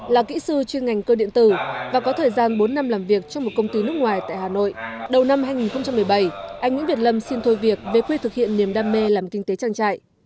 là kỹ sư chuyên ngành cơ điện tử và có thời gian bốn năm làm việc trong một công ty nước ngoài tại hà nội đầu năm hai nghìn một mươi bảy anh nguyễn việt lâm xin thôi việc về quê thực hiện niềm đam mê làm kinh tế trang trại